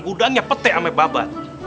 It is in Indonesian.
gudangnya pete ame babat